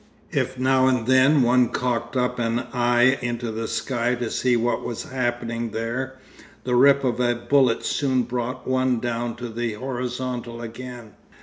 If now and then one cocked up an eye into the sky to see what was happening there, the rip of a bullet soon brought one down to the horizontal again....